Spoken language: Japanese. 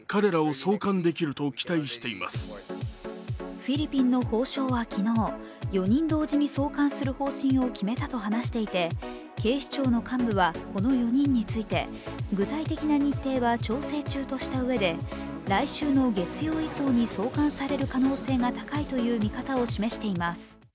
フィリピンの法相は昨日、４人同時に送還する方針を決めたと話していて警視庁の幹部はこの４人について具体的な日程は調整中としたうえで来週の月曜以降に送還される可能性が高いという見方を示しています。